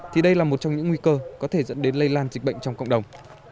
thì đây là một trong những nguy cơ có thể dẫn đến lây lan dịch bệnh trong cộng đồng